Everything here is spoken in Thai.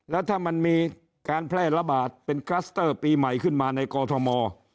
แล้วถ้ามันมีการแพร่ระบาดเป็นคลัสเตอร์ปีใหม่ขึ้นมาในกอทม